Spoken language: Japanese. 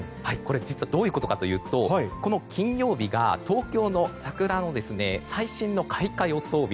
これ実はどういうことかというと金曜日が東京の桜の最新の開花予想